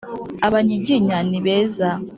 abanyiginya ni beza